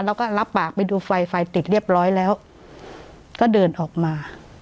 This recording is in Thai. แล้วก็รับปากไปดูไฟไฟติดเรียบร้อยแล้วก็เดินออกมา